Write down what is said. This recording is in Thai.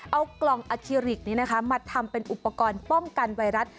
เอากล่องอาเคลิกนี้นะคะมาทำเป็นอุปกรณ์ป้องกันไวรัส